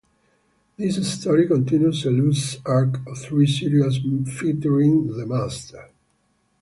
This story continues a loose arc of three serials featuring the Master.